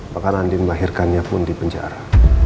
bahkan andin mengakhirkannya pun di penjara